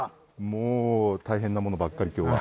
もう大変なものばっかり今日は。